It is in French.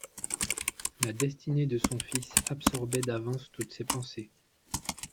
La destinée de son fils absorbait d'avance toutes ses pensées.